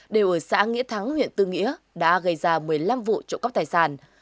đều ở xã nghĩa thắng huyện tư nghĩa đã gây ra một mươi năm vụ trộm cắp tài sản